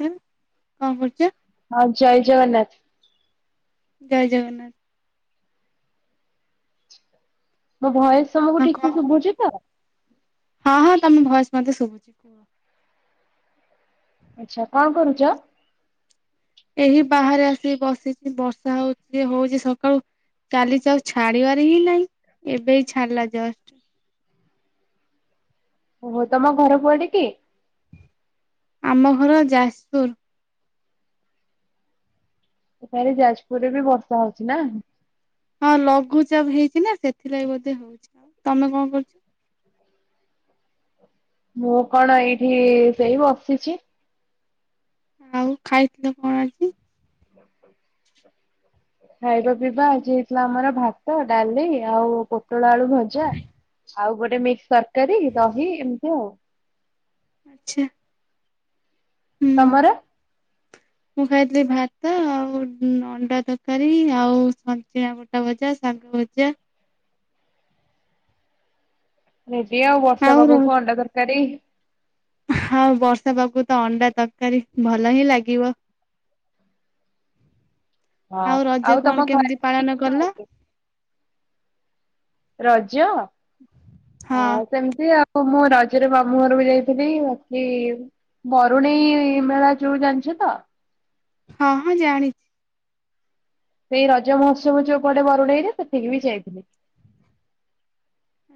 [unintelligible] କଣ କରୁଛ? ହଁ ଜୟ ଜଗନ୍ନାଥ ଜୟ ଜଗନ୍ନାଥ। ମୋ ଭୟେସ୍ ତମକୁ ହଁ ଠିକ୍ କଣ ସେ ଶୁଭୁଛି ତ? ହଁ ହଁ ତମ ଭଏସ୍ ମତେ ଶୁଭୁଛି କୁହ। ଆଚ୍ଛା। କଣ କରୁଛ? ଏହି ବାହାରେ ଆସିିକି ବସିଛି। ବର୍ଷା ହଉଛି, ହଉଛି ସକାଳୁ କାଲିଠାରୁ ଛାଡିବାର ହିଁ ନାହିଁ। ଏବେ ଏଇ ଛାଡିଲା ଜଷ୍ଟ୍। ଓ ହୋ ତମ ଘର କୁଆଡେ କି? ଆମ ଘର ଯାଜପୁର। ସେ [unintelligible] ଯାଜପୁରରେ ବି ବର୍ଷା ହଉଛି ନା। ହଁ ଲଘୁଚାପ ହେଇଛି ନା, ସେଥିଲାଗି ବଧେ ହଉଛି। ଆଉ ତମେ କଣ କରୁଛ? ମୁଁ କଣ ଏଇଠି ସେଇ ବସିଛି। ଆଉ ଖାଇଥିଲ କଣ ଆଜି? [inaudible] ଖାଇବା ପିଇବା ଆଜି ହେଇଥିଲା ଆମର ଭାତ, ଡାଲି, ଆଉ ପୋଟଳ ଆଳୁ ଭଜା। ଆଉ ଗୋଟେ ମିକ୍ସ ତରକାରୀ, ଦହି ଏମିତି ଆଉ। ଆଚ୍ଛା। ହୁଁ। ତମର? ମୁଁ ଖାଇଥିଲି ଭାତ ଆଉ ଅଣ୍ଡା ତରକାରୀ ଆଉ ଚିଆଁ ବୁଟ ଭଜା, ଶାଗ ଭଜା ରେଡି ଆଉ ବର୍ଷା ପାଗକୁ ଅଣ୍ଡା ତରକାରୀ। ହଁ ବର୍ଷା ପାଖକୁ ତ ଅଣ୍ଡା ତରକାରୀ, ଭଲ ହିଁ ଲାଗିବ। ହଁ ଆଉ ରଜ ତମ କଣ ଘରେ କେମିତି କି ପାଳନ କଲେ? କି ରଜ, ହଁ ଆ ସେମିତି ଆଉ। ହଁ ମୁଁ ରଜରେ ମାମୁଁ ଘରକୁ ଯାଇଥିଲି ବାକି ବରୁଣେଇ ମେଳା ଯୋଉ ଜାଣିଛ ତ? ହଁ ହଁ ଜାଣିଛି। ସେଇ ରଜ ମହୋତ୍ସବ ଯୋଉ ପଡେ ବରୁଣେଇରେ, ସେତିକି ବି ଯାଇଥିଲି।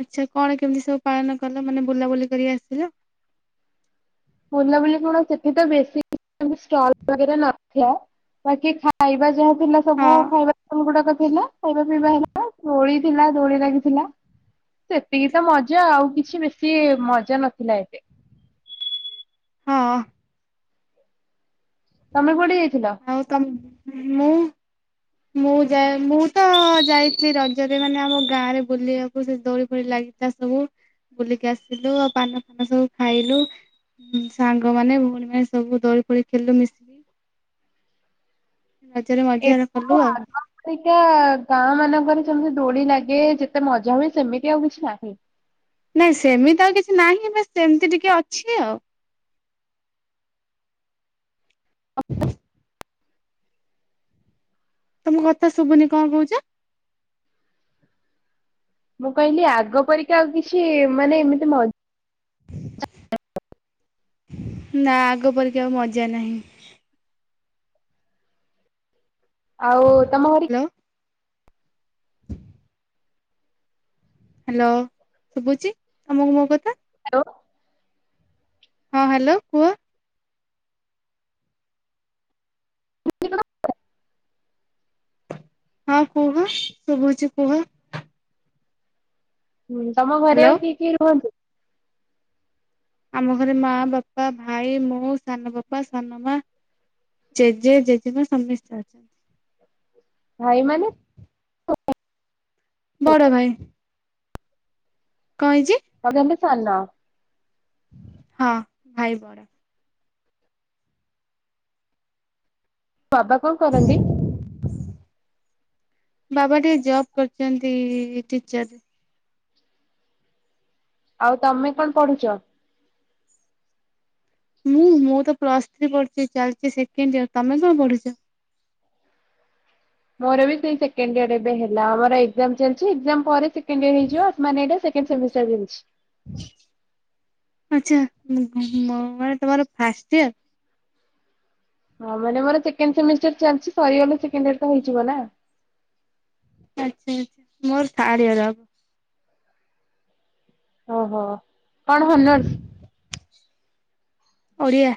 ଆଚ୍ଛା କଣ କେମିତି ସବୁ ପାଳନ କଲ? ମାନେ ବୁଲାବୁଲି କରି ଆସିଲ? ବୁଲାବୁଲି କଣ ସେଠି ତ ବେଶୀ ଷ୍ଟଲ ବଗେରା ନଥିଲା। ବାକି ଖାଇବା ଯା ଥିଲା ହଁ ସବୁ ଖାଇବା ଷ୍ଟଲ ଗୁଡାକ ଥିଲା। ଖାଇବା ପିଇବା ହେଲା। ଦୋଳି ଥିଲା ଦୋଳି ଲାଗିଥିଲା। ସେତିକି ତ ମଜା, ଆଉ କିଛି ବେଶୀ ମଜା ନଥିଲା ଏତେ। ହଁ। ତମେ କୁଆଡେ ଯାଇଥିଲ? ଆଉ ତ ମୁଁ ମୁଁ ଯା ମୁଁ ତ ଯାଇଥିଲି ରଜରେ ମାନେ ଆମ ଗାଁ ରେ ବୁଲିବାକୁ, ସେ ଦୋଳି ଫୋଳି ଲାଗି ଥିଲା ସବୁ ବୁଲିକି ଆସିଲୁ ଆଉ ପାନ ଫାନ ସବୁ ଖାଇଲୁ। ହୁଁ ସାଙ୍ଗମାନେ, ଭଉଣୀ ମାନେ ସବୁ ଦୋଳି ଫୋଳି ଖେଳିଲୁ ମିଶି ରଜରେ ମଜା କଲୁ ଆଉ। ଏଇକା ଗାଁ ମାନଙ୍କରେ ଯେମିତି ଦୋଳି ଲାଗେ, ଯେତେ ମଜା ହୁଏ, ସେମିତି ଆଉ କିଛି ନାହିଁ। ନାଇଁ ସେମିତି ଆଉ କିଛି ନାହିଁ ବା ସେମିତି ଟିକେ ଅଛି ଆଉ ହୁଁ [unintelligible] ତମ କଥା ଶୁଭୁନି କଣ କହୁଛ? ମୁଁ କହିଲି ଆଗ ପରିକା ଆଉ କିଛି ମାନେ ଏମିତି ମ ନା ଆଗ ପରିକା ଆଉ ମଜା ନାହିଁ। ଆଉ ତମ ଘରେ ହ୍ୟାଲୋ। ହ୍ୟାଲୋ ଶୁଭୁଛି ତମକୁ ମୋ କଥା। ହ୍ୟାଲୋ। ହଁ ହ୍ୟାଲୋ କୁହ? ହୁଁ ହଁ କୁହ ଶୁଭୁଛି କୁହ? ହୁଁ ତମ ଘରେ ହ୍ୟାଲୋ ଆଉ କିଏ କିଏ ରୁହନ୍ତି? ଆମ ଘରେ ମା, ବାପା, ଭାଇ, ମୁଁ, ସାନ ବାପା, ସାନ ମା ଜେଜେ ଜେଜେମା ସମସ୍ତେ ଅଛନ୍ତି। ଭାଇ ମାନେ ବଡ ଭାଇ। କଣ ହେଇଛି? [inaudible] ସାନ। ହଁ ଭାଇ ବଡ। ବାବା କଣ କରନ୍ତି? ବାବା ଟିକେ ଜବ କରିଛନ୍ତି ଟିଚର। ଆଉ ତମେ କଣ ପଢୁଛ? ମୁଁ ମୁଁ ତ ପ୍ଲସ୍ ଥ୍ରୀ ପଢ଼ୁଚ୍ଛି ଚାଲିଛି ସେକେଣ୍ଡ ଇୟର ତମେ କଣ ପଢିଛ? ମୋର ବି ସେଇ ସେକେଣ୍ଡ ଇୟର ଏବେ ହେଲା ଆମର ଏକ୍ସାମ୍ ଚାଲିଛି ଏ ପରେ ସେକେଣ୍ଡ ଇଅର ହେଇଯିବ। [unintelligible] ସେମିଷ୍ଟର [unintelligible] ଆଛା ମୋ ମୋର ମାନେ ତମର ଫାଷ୍ଟ ଇଅର। ହଁ ମାନେ ମୋର ସେକେଣ୍ଡ ସେମିଷ୍ଟର ଚାଲିଛି ସରିଗଲେ ସେକେଣ୍ଡ ଇୟର ତ ହେଇଯିବ ନା? ଆଚ୍ଛା ଆଚ୍ଛା ମୋର ଥାର୍ଡ ଇଅର ହବ। ଓହୋ କଣ ହନର୍ସ? ଓଡ଼ିଆ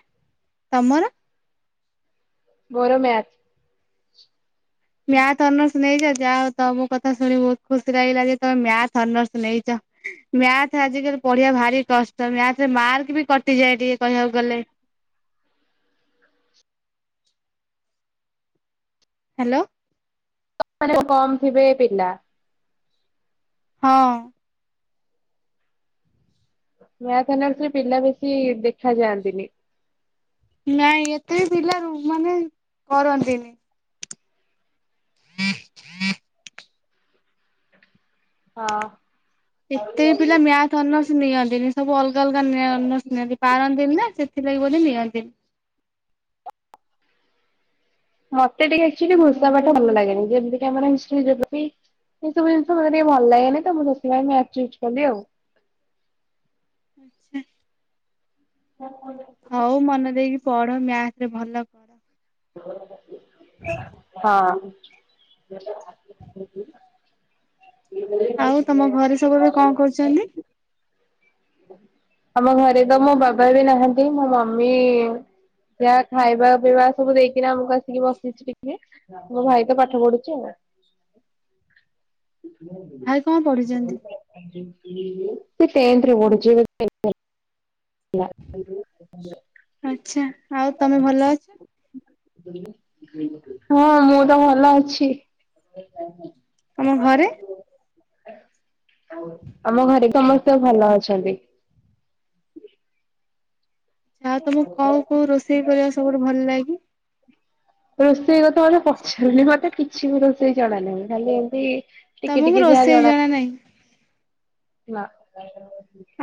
ତମର? ମୋର ମ୍ୟାଥ। ମ୍ୟାଥ ଅନର୍ସ ନେଇଛ ଯାଅ ତମ କଥା ଶୁଣି ବହୁତ ଖୁସି ଲାଗିଲା ଯେ ତମେ ମ୍ୟାଥ ଅନର୍ସ ନେଇଛ। ମ୍ୟାଥ ଆଜିକାଲି ପଢିବା ଭାରି କଷ୍ଟ ମ୍ୟାଥରେ ମାର୍କ ବି କଟିଯାଏ ଟିକେ କହିବାକୁ ଗଲେ। ହ୍ୟାଲୋ। ମାନେ କମ ଥିବେ ପିଲା? ହଁ। ମ୍ୟାଥ ଅନର୍ସରେ ପିଲା ବେଶୀ ଦେଖା ଯାଆନ୍ତିନି। ନାଇଁ ଏତେ ପିଲାରୁ ମାନେ କରନ୍ତିନି। ହଁ। ଏତେବି ପିଲା ମତେ ମ୍ୟାଥ ଅନର୍ସ ନିଅନ୍ତିନି ସବୁ ଅଲଗା ଅଲଗା ଅନର୍ସ ନିଅନ୍ତି ପାରନ୍ତିନି ନା? ଏଥିଲାଗି ବୋଲି ନିଅନ୍ତିନି। ମତେ ଟିକେ ଆକ୍ଚୁଆଲି ଘୋଷା ପାଠ ଭଲ ଲାଗେନି ଯେମିତି ଆମ ହିଷ୍ଟ୍ରୀ, ଯୋଗ୍ରାଫି। ଏଇସବୁ ଜିନିଷ ମତେ ଟିକେ ଭ ଲାଗେନି ତ ମୁଁ ସେଥିପାଇଁ ମ୍ୟାଥ ଚୁଜ କଲି ଆଉ ଆଛା। କଣ ଭଲ ହଉ ମନେ ଦେଇକି ପଢ ମ୍ୟାଥ ରେ ଭଲ ପ ହଁ। ଆଉ ତମ ଘରେ ସବୁବେ କଣ କରୁଚନ୍ତି? ଆମ ଘରେ ତ ମୋ ବାବା ବି ନାହାନ୍ତି। ମୋ ମମି ସୋ ଖାଇବା ପିଇବା ସବୁ ଦେଇକିନା ଆମକୁ ଆସିକି ବସିଚି ଟିକେ। ମୋ ଭାଇ ତ ପାଠ ପଢୁଚି ଆଉ। ଭାଇ କଣ ପଢିଚନ୍ତି? ସେଟ ଓଣ [unintelligible] ଆଛା ଆଉ ତମେ ଭଲ ଅଛ? ହଁ ମୁଁ ତ ଭଲ ଅଛି। ତମ ଘରେ? ଆମ ଘରେ ସମସ୍ତେ ଭଲ ଅଛନ୍ତି। ଆଛା ଆଉ ତମକୁ କୋଉ କୋଉ ରୋଷେଇ କରିବା ସବୁଠୁ ଭଲ ଲାଗେ? ରୋଷେଇ କ ତ ମୋତେ ପଚାରୁନି ମତେ କିଛି ବି ରୋଷେଇ ଜଣା ନାହିଁ। ଖାଲି ଏମତି ଟିକେ ତମକୁ ଟିକେ ଯାହା ରୋଷେଇ ଜଣା ନାହିଁ।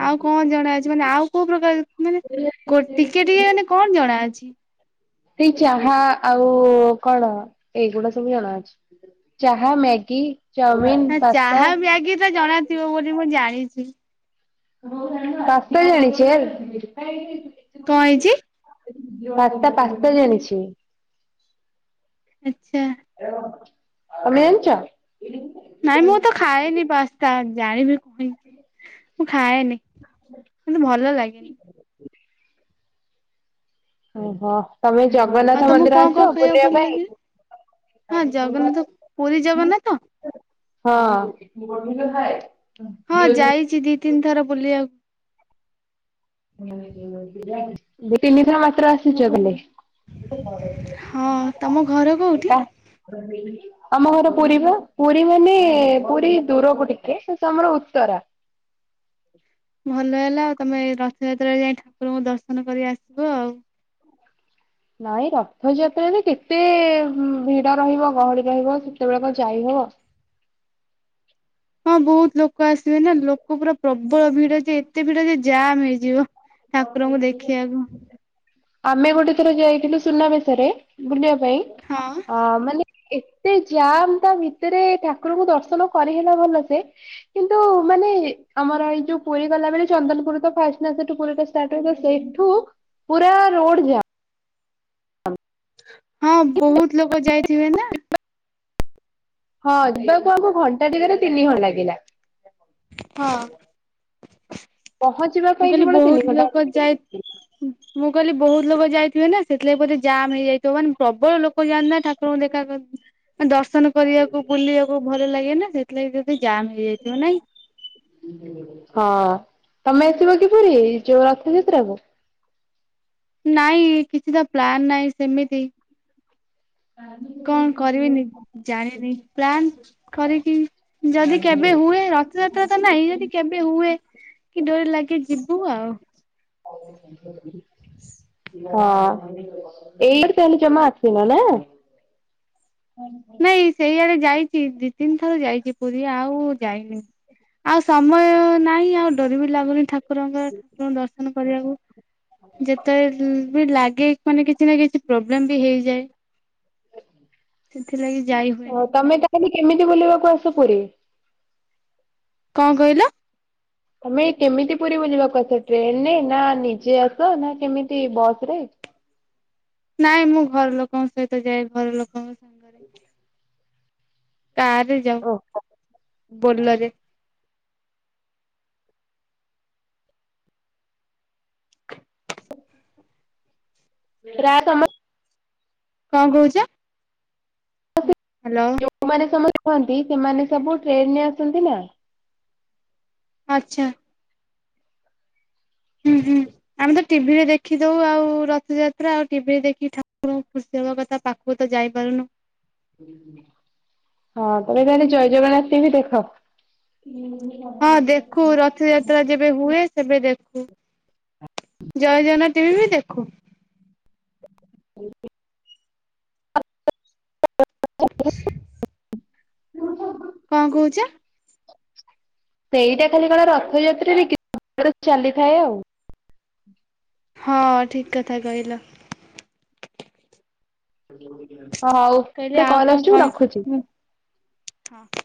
ଆଉ କଣ ଜଣା ଅଛି ମାନେ ଆଉ କୋଉ ପ୍ରକାର ମାନେ ଟିକେ ଟିକେ ମାନେ କଣ ଜଣା ଅଛି? ସେଇ ଚାହା ଆଉ କଣ ଏଇଗୁଡା ସବୁ ଜଣାଅଛି। ଚାାହା ମ୍ୟାଗି। ଚାଉମିିନ, ହ ପାସ୍ତା। ଚାହା ମ୍ୟାଗି ତ ଜଣାଥିବ ବୋଲି ମୁଁ ଜାଣିଚି। ପାସ୍ତା ଜାଣିଛଚି ୟାର୍। କଣ ହେଇଚି? ପାସ୍ତା ପାସ୍ତା ଜାଣିଛି। ଆଚ୍ଛା। ତମେ ଜାଣିଚ? ନାଇଁ ମୁଁ ତ ଖାଏନି ପାସ୍ତା ଜାଣିବି ପୁଣି ମୁଁ ଖାଏନି ମତେ ଭଲ ଲାଗେନି। ଓହୋ ତମେ ଆଉ ଜଗନ୍ନାଥ ତମକୁ ମନ୍ଦିର କଣ କଣ ଆସବ ଖାଇବାକୁ ବୁଲିବା ଭଲ ପାଇଁ? ଲାଗେ? ହଁ ଜଗନ୍ନାଥ ପୁରୀ ଜଗନ୍ନାଥ? ହଁ କିନ୍ତୁ ଗୋବିନ୍ଦ ଖାଏ? ହଁ ଯାଇଚି ଦି ତିନ୍ ଥର ବୁଲିବାକୁ। [inaudible] ଦି ତିନି ଥର ମାତ୍ର ଆସିଚ ବୁଲି? [unintelligible] ହଁ ତମ ଘର କୋଉଠି? ଆମ ଘର ପୁରୀ ପା ପୁରୀ ମାନେ ପୁରୀ ଦୂରକୁ ଟିକେ ଶେଷ ଆମର ଉତ୍ତରା। ଭଲ ହେଲା ଆଉ ତମେ ରଥଯାତ୍ରାରେ ଯାଇଁ ଠାକୁରଙ୍କୁ ଦର୍ଶନ କରି ଆସିବ ଆଉ। ନାଇଁ ରଥ ଯାତ୍ରାରେ କେତେ ଭିଡ ରହିବ ଗହଳି ରହିବ ସେତେବେଳେ କଣ ଯାଇହବ। ହଁ ବହୁତ ଲୋକ ଆସିବେ ନା ଲୋକ ପୁରା ପ୍ରବଳ ଭିଡ ଯେ ଏତେ ଭିଡ ଯେ ଜାମ୍ ହେଇଯିବ। ଠାକୁରଙ୍କୁ ଦେଖିବାକୁ ଆମେ ଗୋଟେ ଥର ଯାଇଥିଲୁ ସୁନାବେଶ ରେ ବୁଲିବା ପାଇଁ ହଁ ହଁ ମାନେ ଏତେ ଜାମ୍ ତା ଭିତରେ ଠାକୁରଙ୍କୁ ଦର୍ଶନ କରିହେଲା ଭଲ ସେ କିନ୍ତୁ ମାନେ ଆମର ଏଇ ଯଉ ପୁରୀ ଗଲାବେେଳେ ଚନ୍ଦନପୁରୁ ତ ଫାଷ୍ଟ୍ ନା ସେ ପୁରୀଟା ଷ୍ଟାର୍ଟ ରହିବ ସେଇଠୁ ପୁରା ରୋଡ ଜାମ୍। ହଁ ବହୁତ୍ ଲୋକ ଯାଇଥିବେ ନା ହଁ ଯିବାକୁ ଆମକୁ ଘଣ୍ଟା ଦିଗରେ ତିନି ଘଣ୍ଟା ଲାଗିଲା। ହଁ। ପହଞ୍ଚ ମୁଁ କହିଲି ବହୁତ୍ ଲୋକ ଯାଇ ମୁଁ କଇଲି ବହୁତ ଲୋକ ଯାଇଥିବେ ନା ସେଥିଲାଗି ବୋଧେ ଜାମ୍ ହେଇ ଯାଇଥିବ ମାନ ପ୍ରବଳ ଲୋକ ଯାଆନ୍ତି ନା ଠାକୁରଙ୍କୁ ଦେଖାକର ଦର୍ଶନ କରିବାକୁ ବୁଲିବାକୁ ଭଲ ଲାଗେ ନା ସେଇଥିଲାଗି ଯଦି ଜାମ୍ ହେଇ ଯାଇଥିବ ନାଇଁ ହଁ ତମେ ଆସିବ କି ପୁରୀ ଯୋଉ ରଥଯାତ୍ରା କୁ? ନାଇଁ କିଛି ତ ପ୍ଲାନ୍ ନାଇ ସେମିତି କଣ କରିବି ନିଜ ଜାଣିନି ପ୍ଲାନ୍ କରିକି ଯଦି କେବେ ହୁଏ ରଥ୍ ରଥଯାତ୍ରା ତ ନାହିଁ ଯଦି କେବେ ହୁଏ କି ଡୋରି ଲାଗେ ଯିବୁ ଆଉ। [unintelligible] ହଁ ଏଇ ଏପଟେ ତାହଲେ ଜମା ଆସିନ ନା? ନାଇଁ ସେଇଆଡେ ଯାଇଚି ଦି ତିନି ଥର ଯାଇଚି ପୁରୀ ଆଉ ଯାଇନି। ଆଉ ସମୟ ନାଇଁ ଆଉ ଡ଼ୋରି ବି ଲାଗୁନି ଠାକୁରଙ୍କର ଠାକୁରଙ୍କୁ ଦର୍ଶନ କରିବାକୁ। ଯେତେବେଳେ ବି ଲାଗେ ମାନେ କିଛି ନା କିଛି ପ୍ରୋବ୍ଲେମ ବି ହେଇଯାଏ। ସେଥିଲାଗି ଯାଇ ଓ ହୁଏନି ତମେ ତାହେଲେ କେମିତି ବୁଲିବାକୁ ଆସ ପୁରୀ? କଁ କଇଲ? ତମେ କେମିତି ପୁରୀ ବୁଲିବାକୁ ଆସ ଟ୍ରେନ୍ ରେ ନା ନିଜେ ଆସ ନା କେମିତି ବସ୍ ରେ? ନାଇଁ ମୁଁ ଘର ଲୋକଙ୍କ ସହିତ ଯାଏ ଘର ଲୋକଙ୍କ ସାଙ୍ଗରେ। କାର୍ ରେ ଯାଉ ବୋଲର୍ ରେ ରା ତମର କଁ କହୁଚ? [inaudible] ହାଲୋ। ଯୋଉମାନେ ସମସ୍ତେ କୁହନ୍ତି ସେମାନେ ସବୁ ଟ୍ରେନ୍ ରେ ଆସନ୍ତି ନା। ଆଚ୍ଛା। ଉଁ ହୁଁ। ଆମେ ତ ଟିଭିରେ ଦେଖିଦଉ ଆଉ ରଥଯାତ୍ରା ଆଉ ଟିଭିରେ ଦେଖି ଠାକୁରଙ୍କୁ ଖୁସି ହବା କଥା ପାଖ କୁ ତ ଯାଇପାରୁନୁ। [inaudible] ହଁ ତମେ ତାହଲେ ଜୟ ଜଗନ୍ନାଥ ଟିଭି ଦେଖ? ହଁ ଦେଖୁ ରଥଯାତ୍ରା ଯେବେ ହୁଏ ସେବେ ଦେଖୁ। ଜୟ ଜଗନ୍ନାଥ ଟିଭି ବି ଦେଖୁ। [inaudible] [inaudible] [unintelligible] କଁ କହୁଚ? ସେଇଟା ଖାଲି କଣ ରଥଯାତ୍ରା ରେ [unintelligible] ଚାଲିଥାଏ ଆଉ। ହଁ ଠିକ କଥା କହିଲ। ହଉ କହିଲି ଗୋଟେ ଆଉ କଲ୍ କଣ ଆସୁଚି ମୁଁ ରଖୁଚି। କହି ହଁ।